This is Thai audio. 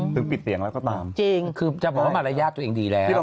ถึงปิดเสียงแล้วก็ตามจริงคือจะบอกว่ามารยาทตัวเองดีแล้ว